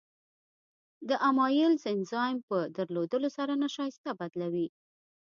د امایلیز انزایم په درلودو سره نشایسته بدلوي.